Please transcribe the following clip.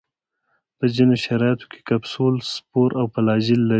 په ځینو شرایطو کې کپسول، سپور او فلاجیل لري.